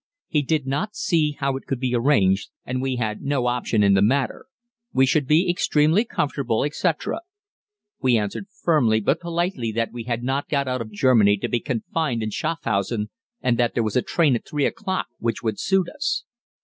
He did not see how it could be arranged, and we had no option in the matter; we should be extremely comfortable, etc. We answered firmly, but politely, that we had not got out of Germany to be confined in Schafhausen, and that there was a train at 3 o'clock which would suit us.